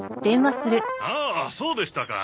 ああそうでしたか。